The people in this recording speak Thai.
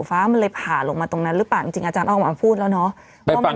ฟ้ามันเลยผ่าลงมาตรงนั้นหรือเปล่าจริงอาจารย์ออกมาพูดแล้วเนาะ